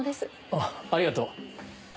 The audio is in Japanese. ああありがとう。